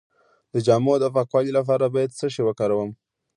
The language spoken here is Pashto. د جامو د پاکوالي لپاره باید څه شی وکاروم؟